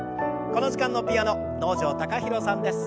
この時間のピアノ能條貴大さんです。